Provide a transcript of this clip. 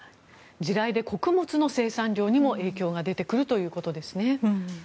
地雷で穀物の生産量にも影響が出てくるということですね。